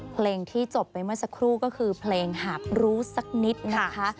เพลงที่จบไปเมื่อสักครู่ก็คือเพลงหากรู้สักนิดนะคะ